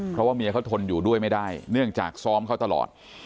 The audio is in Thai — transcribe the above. เพราะว่าเมียเขาทนอยู่ด้วยไม่ได้เนื่องจากซ้อมเขาตลอด